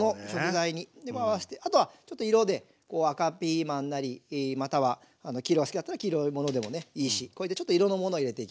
あとはちょっと色で赤ピーマンなりまたは黄色が好きだったら黄色いものでもいいしこれでちょっと色のものを入れていきましょう。